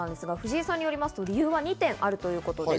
藤井さんによりますと、理由は２点あるということです。